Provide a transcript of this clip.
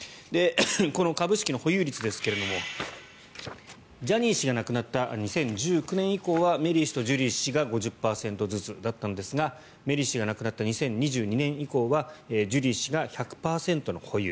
この株式の保有率ですがジャニー氏が亡くなった２０１９年以降はメリー氏とジュリー氏が５０％ずつだったんですがメリー氏が亡くなった２０２２年以降はジュリー氏が１００％の保有。